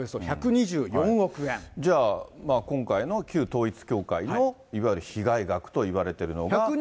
じゃあ、今回の旧統一教会のいわゆる被害額といわれているのが。